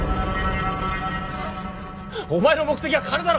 お前の目的は金だろ！